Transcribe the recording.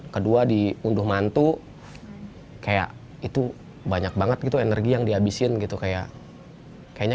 kedua diunduh mantu kayak itu banyak banget gitu energi yang dihabisin gitu kayak kayaknya